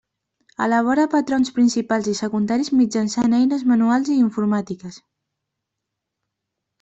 Elabora patrons principals i secundaris mitjançant eines manuals i informàtiques.